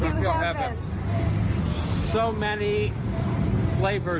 อุ้ยนำรายเหลอ